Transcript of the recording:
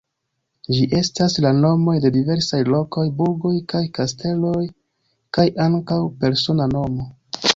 Ĝi estas la nomoj de diversaj lokoj, burgoj kaj kasteloj kaj ankaŭ persona nomo.